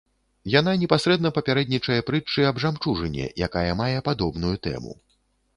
Яна непасрэдна папярэднічае прытчы аб жамчужыне, якая мае падобную тэму.